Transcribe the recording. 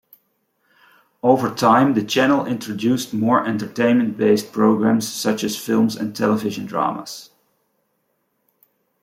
Over time, the channel introduced more entertainment-based programs such as films and television dramas.